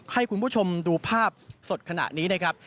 ให้คุณผู้ชมดูภาพสดขณะนี้นะครับ